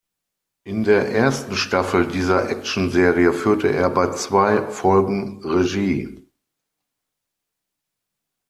In der ersten Staffel dieser Actionserie führte er bei zwei Folgen Regie.